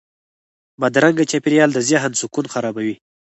بدرنګه چاپېریال د ذهن سکون خرابوي